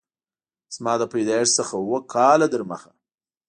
زما له پیدایښت څخه اووه کاله تر مخه